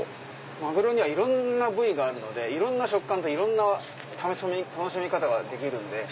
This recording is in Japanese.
マグロにはいろんな部位があるのでいろんな食感といろんな楽しみ方ができるんで。